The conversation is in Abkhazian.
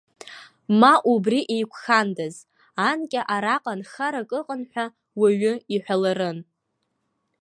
Ма убри еиқәхандаз, анкьа араҟа нхарак ыҟан ҳәа уаҩы иҳәаларын.